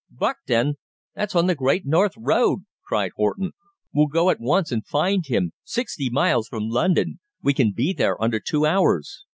"Buckden! That's on the Great North Road!" cried Horton, "We'll go at once and find him. Sixty miles from London. We can be there under two hours!"